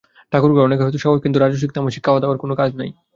ঠাকুরঘর অনেকের সহায়তা করে বটে, কিন্তু রাজসিক তামসিক খাওয়া-দাওয়ার কোন কাজ নাই।